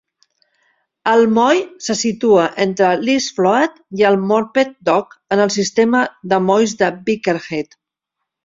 El moll se situa entre l'East Float i el Morpeth Dock, en el sistema de molls de Birkenhead.